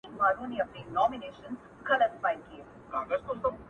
له هغې ورځې يې ښه نه دې ليدلي_